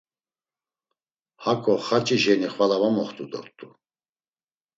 Hako xaç̌i şeni xvala var moxt̆u dort̆u.